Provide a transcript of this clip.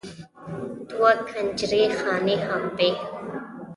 دوه کنجرې خانې هم وې.